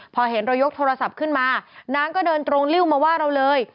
พอเห็นเรายกโทรศัพท์ขึ้นมานางก็เดินตรงริ้วมาว่าเราเลย